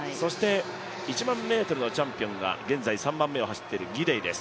１００００ｍのチャンピオンが現在３番目を走っているギデイです。